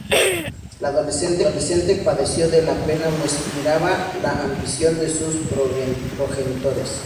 La adolescente padeció de la pena pues miraba la ambición de sus progenitores.